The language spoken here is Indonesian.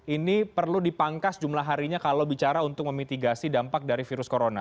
ini perlu dipangkas jumlah harinya kalau bicara untuk memitigasi dampak dari virus corona